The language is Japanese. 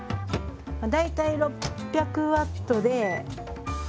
大体６００ワットで。